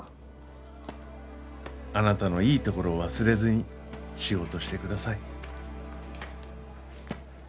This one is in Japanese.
あなたのいいところを忘れずに仕事してください。